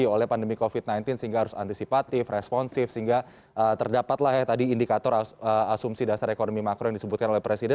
mas bima masih banyak dipengaruhi oleh pandemi covid sembilan belas sehingga harus antisipatif responsif sehingga terdapatlah tadi indikator asumsi dasar ekonomi makro yang disebutkan oleh presiden